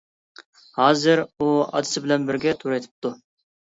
ھازىر ئۇ ئاتىسى بىلەن بىرگە تۇرۇۋېتىپتۇ.